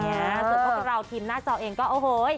ส่วนพวกเราทีมหน้าจอเองก็โอ้โห